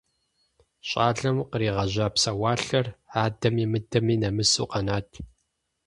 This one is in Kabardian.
ЩӀалэм къригъэжьа псэуалъэр адэми мыдэми нэмысу къэнат.